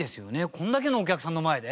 これだけのお客さんの前で。